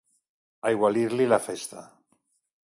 Aigualir-li la festa.